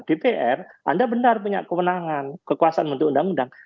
dpr anda benar punya kewenangan kekuasaan bentuk undang undang